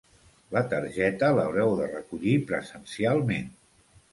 La targeta l'haureu de recollir presencialment.